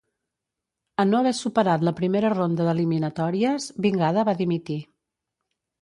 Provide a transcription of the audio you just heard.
En no haver superat la primera ronda d'eliminatòries, Vingada va dimitir.